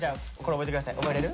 覚えれる？